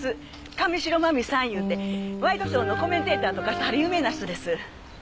神代真実さんいうてワイドショーのコメンテーターとかしてはる有名な人です。